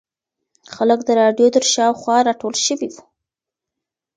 خلک د رادیو تر شاوخوا راټول شوي وو.